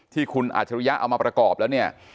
ที่คุณอาจริยะเอามาประกอบแล้วเนี่ย